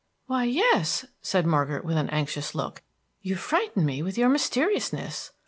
"Why, yes," said Margaret, with an anxious look. "You frighten me with your mysteriousness."